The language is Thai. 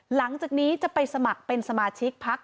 หลังจากนี้จะไปสมัครเป็นสมาชิกพัก